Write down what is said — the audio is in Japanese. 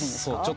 そう。